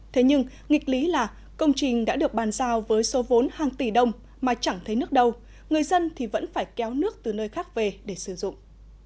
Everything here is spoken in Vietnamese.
thế nhưng nghịch lý là công trình đã được bàn giao với số vốn hàng tỷ đồng mà chẳng thấy nước đâu người dân thì vẫn phải kéo nước từ nơi khác về để sử dụng